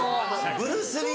ブルース・リー。